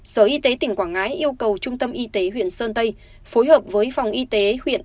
sở y tế tỉnh quảng ngãi yêu cầu trung tâm y tế huyện sơn tây phối hợp với phòng y tế huyện